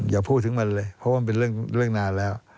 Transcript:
อย่าพูดถึงมันเลยเพราะว่ามันเป็นเรื่องนานแล้ว